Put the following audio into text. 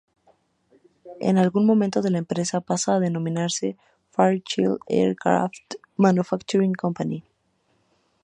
En algún momento la empresa pasa a denominarse "Fairchild Aircraft Manufacturing Company".